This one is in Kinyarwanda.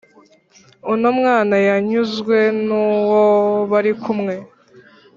uno mwana yanyuzwe nuwo barikumwe